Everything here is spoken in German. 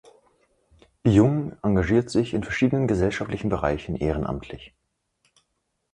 Jung engagiert sich in verschiedenen gesellschaftlichen Bereichen ehrenamtlich.